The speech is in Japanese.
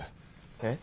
えっ？